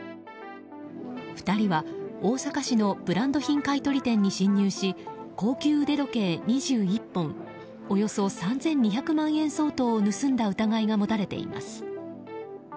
２人は大阪市のブランド品買い取り店に侵入し高級腕時計２１本およそ３２００万円相当を盗んだ疑いが持たれています。